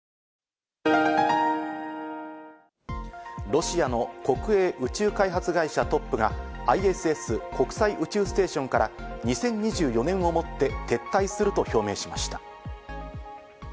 ロシアの国営宇宙開発会社トップがＩＳＳ＝国際宇宙ステーションから２０２４年をもって撤退すると表明しました。